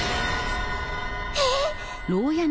えっ！